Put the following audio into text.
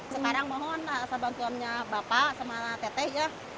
sekarang mohon bantuan bapak sama teteh ya